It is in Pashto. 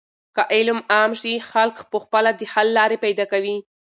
که علم عام شي، خلک په خپله د حل لارې پیدا کوي.